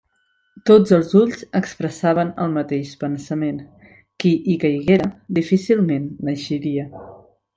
Tots els ulls expressaven el mateix pensament: qui hi caiguera, difícilment n'eixiria.